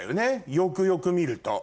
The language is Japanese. よくよく見ると。